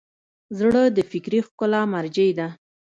زړه د فکري ښکلا مرجع ده.